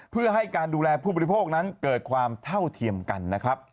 เพื่อให้การดูแลผู้บริโภคนั้นเกิดความเท่าเทียมกันนะครับ